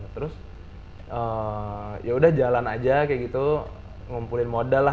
terus yaudah jalan aja kayak gitu ngumpulin modal lah